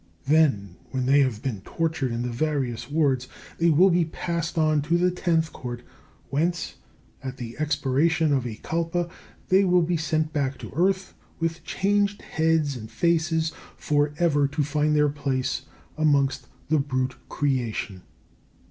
Then when they have been tortured in the various wards they will be passed on to the Tenth Court, whence at the expiration of a kalpa they will be sent back to earth with changed heads and faces for ever to find their place amongst the brute creation.